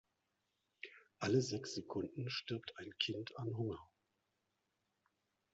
Alle sechs Sekunden stirbt ein Kind an Hunger.